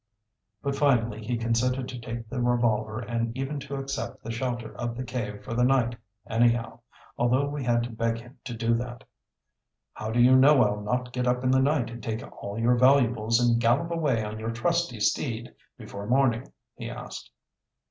But finally he consented to take the revolver and even to accept the shelter of the cave for that night anyhow, although we had to beg him to do that. "How do you know I'll not get up in the night and take all your valuables and gallop away on your trusty steed before morning?" he asked.